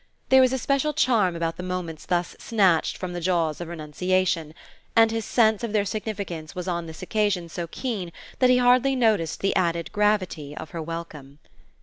There was a special charm about the moments thus snatched from the jaws of renunciation; and his sense of their significance was on this occasion so keen that he hardly noticed the added gravity of her welcome.